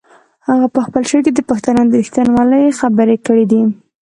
هغه په خپل شعر کې د پښتنو د رښتینولۍ خبرې کړې دي.